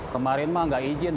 kemarin mah nggak izin